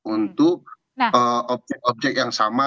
untuk objek objek yang sama